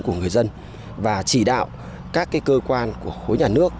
của người dân và chỉ đạo các cơ quan của khối nhà nước